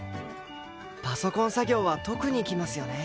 パソコン作業は特にきますよね。